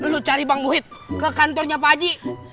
lu cari bang muhid ke kantornya pak aji